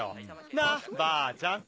なっばあちゃん。